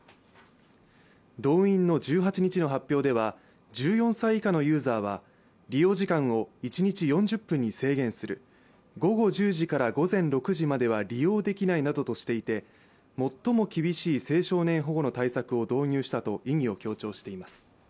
ドウインの１８日の発表では、１４歳以下のユーザーは利用時間を一日４０分に制限する、午後１０時から午前６時までは利用できないとしていて、最も厳しい青少年保護の対策を導入したと意義を強調しています。